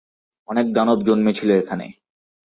অনেক দানব জন্মেছিলো এখানে।